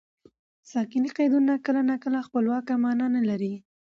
ساکني قیدونه کله ناکله خپلواکه مانا نه لري.